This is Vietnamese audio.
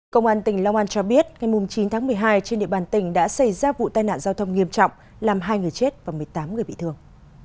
công an tỉnh long an cho biết ngày chín tháng một mươi hai trên địa bàn tỉnh đã xảy ra vụ tai nạn giao thông nghiêm trọng làm hai người chết và một mươi tám người bị thương